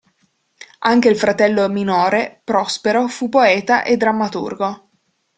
Anche il fratello minore Prospero fu poeta e drammaturgo.